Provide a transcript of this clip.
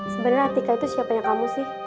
sebenernya tika itu siapanya kamu sih